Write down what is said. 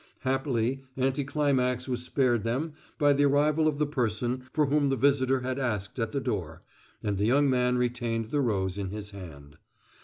Happily, anticlimax was spared them by the arrival of the person for whom the visitor had asked at the door, and the young man retained the rose in his hand.